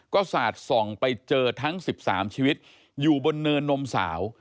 ก็สาดส่องไปเจอทั้ง๑๓ชีวิตอยู่บนเนินนมสาว